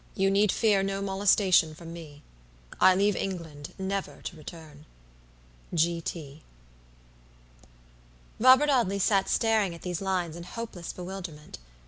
You need fear no molestation from me. I leave England never to return. "G.T." Robert Audley sat staring at these lines in hopeless bewilderment.